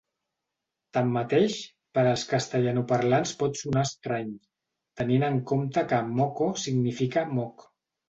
Tanmateix, per als castellanoparlants pot sonar estrany, tenint en compte que "moco" significa "moc".